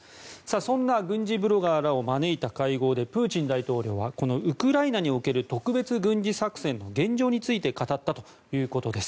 そんな軍事ブロガーらを招いた会合でプーチン大統領はこのウクライナにおける特別軍事作戦の現状について語ったということです。